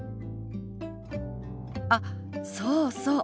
あっそうそう。